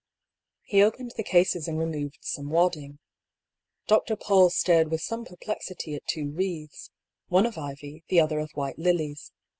He opened the cases and removed some wadding. Dr. Paull stared with some perplexity at two wreaths one of ivy, the other of white lilies.